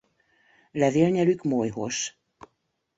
Levélnyelük molyhos.